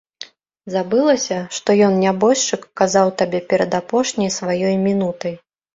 Забылася, што ён, нябожчык, казаў табе перад апошняй сваёй мінутай.